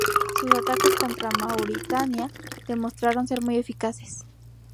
Sus ataques contra Mauritania demostraron ser muy eficaces.